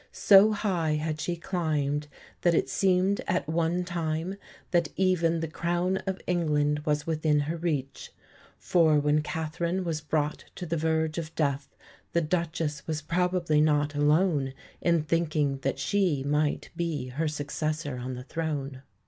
So high had she climbed that it seemed at one time that even the Crown of England was within her reach; for when Catherine was brought to the verge of death the Duchess was probably not alone in thinking that she might be her successor on the throne.